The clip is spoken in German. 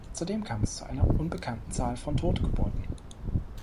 Zudem kam es zu einer unbekannten Zahl von Totgeburten.